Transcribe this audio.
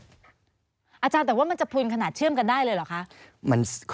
อาจารย์แต่ว่ามันจะพุนขนาดเชื่อมกันได้เลยเหรอคะ